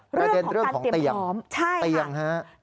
ประเด็นของการเตรียมพร้อมเตียงค่ะใช่ค่ะ